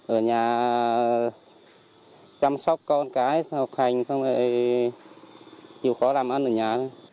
ở nhà chăm sóc con cái học hành xong lại chịu khó làm ăn ở nhà